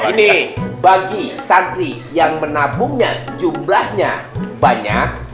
ini bagi santri yang menabungnya jumlahnya banyak